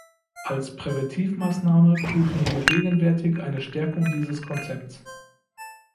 Als Präventivmaßnahme prüfen wir gegenwärtig eine Stärkung dieses Konzepts.